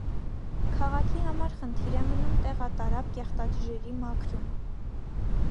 Քաղաքի համար խնդիր է մնում տեղատարափ կեղտաջրերի մաքրումը։